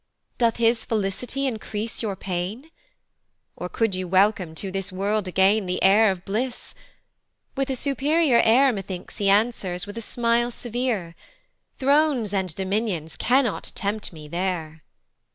Doth his felicity increase your pain? Or could you welcome to this world again The heir of bliss? with a superior air Methinks he answers with a smile severe, "Thrones and dominions cannot tempt me there."